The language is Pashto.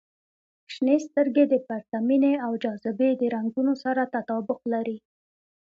• شنې سترګې د پرتمینې او جاذبې د رنګونو سره تطابق لري.